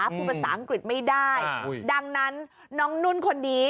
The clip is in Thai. พูดภาษาอังกฤษไม่ได้ดังนั้นน้องนุ่นคนนี้